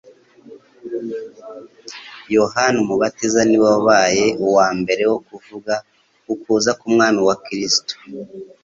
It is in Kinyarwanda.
Yohana umubatiza ni we wabaye uwa mbere wo kuvuga ukuza k’ubwami bwa Kristo;